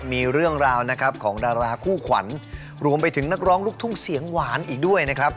มีเรื่องราวนะครับของดาราคู่ขวัญรวมไปถึงนักร้องลูกทุ่งเสียงหวานอีกด้วยนะครับ